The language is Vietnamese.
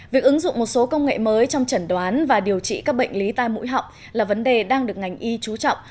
việc ứng dụng một số công nghệ mới trong chẩn đoán và điều trị các bệnh lý tai mũi họng là vấn đề đang được ngành y chú trọng